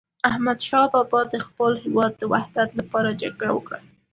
احمد شاه بابا د خپل هیواد د وحدت لپاره جګړه وکړه.